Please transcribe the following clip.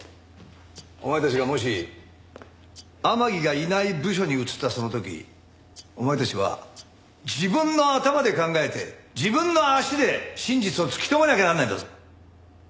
お前たちがもし天樹がいない部署に移ったその時お前たちは自分の頭で考えて自分の足で真実を突き止めなきゃならないんだぞ。